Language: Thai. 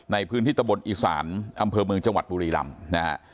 ในพื้นที่ตะบนอีสานอำเภอเมืองจังหวัดบุรีรำนะฮะ